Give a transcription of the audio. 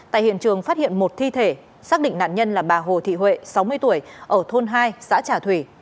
tại hiện trường phát hiện một thi thể xác định nạn nhân là bà hồ thị huệ sáu mươi tuổi ở thôn hai xã trà thủy